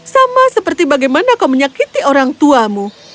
sama seperti bagaimana kau menyakiti orang tuamu